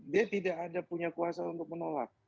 dia tidak ada punya kuasa untuk menolak